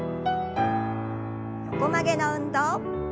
横曲げの運動。